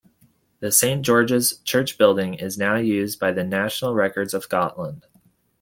The Saint George's Church building is now used by the National Records of Scotland.